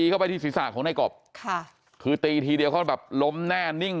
เข้าไปที่ศีรษะของในกบค่ะคือตีทีเดียวเขาแบบล้มแน่นิ่ง